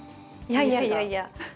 いやいやいやいや。